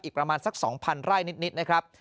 ประมาณสัก๒๐๐ไร่นิดนะครับ